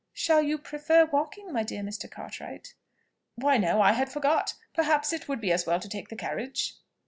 "Shall you prefer walking, my dear Mr. Cartwright?" "Why no: I had forgot: perhaps it would be as well to take the carriage."